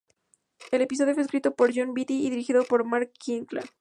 El episodio fue escrito por Jon Vitti y dirigido por Mark Kirkland.